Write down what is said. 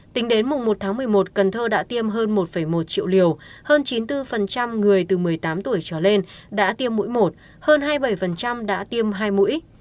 tính đến mùng một tháng một mươi một cần thơ đã tiêm hơn một một triệu liều hơn chín mươi bốn người từ một mươi tám tuổi trở lên đã tiêm mũi một hơn hai mươi bảy đã tiêm hai mũi